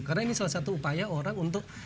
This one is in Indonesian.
karena ini salah satu upaya orang untuk